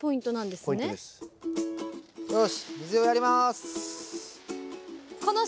よし水をやります。